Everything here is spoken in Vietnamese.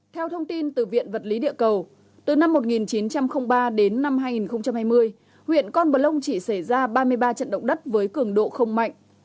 theo thông tin từ viện vật lý địa cầu từ năm một nghìn chín trăm linh ba đến năm hai nghìn hai mươi huyện con bờ lông chỉ xảy ra ba mươi ba trận động đất với cường độ không mạnh